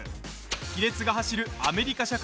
亀裂が走るアメリカ社会。